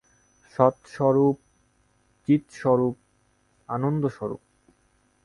সৎস্বরূপ, চিৎস্বরূপ, আনন্দস্বরূপ।